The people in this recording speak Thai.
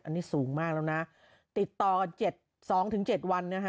อันนี้สูงมากแล้วนะติดต่อ๗๒๗วันนะคะ